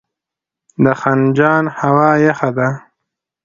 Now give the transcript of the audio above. د خنجان هوا یخه ده